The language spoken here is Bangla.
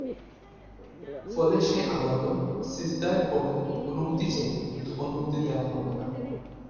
ফলে সে আবারো সিজদায় পড়ে অনুমতি চাইবে কিন্তু অনুমতি দেয়া হবে না।